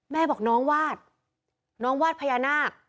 แม่บอกน้องวาดน้องวาดพญานาค